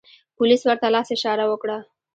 پولیس ورته لاس اشاره و کړه.